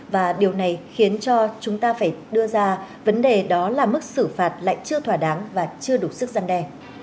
và điều này khiến cho chúng ta phải đưa ra vấn đề đó là mức xử phạt lại chưa thỏa đáng và chưa đủ sức gian đe